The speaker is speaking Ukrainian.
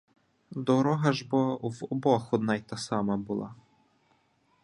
Дорога ж бо в обох одна й та сама була.